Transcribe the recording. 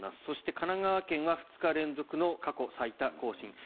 そして、神奈川県は２日連続の過去最多更新。